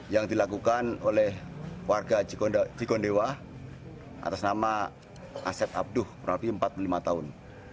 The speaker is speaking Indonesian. yang dilakukan oleh warga cigondewa atas nama aset abduh berarti empat puluh lima tahun